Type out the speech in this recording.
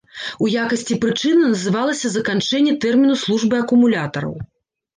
У якасці прычыны называлася заканчэнне тэрміну службы акумулятараў.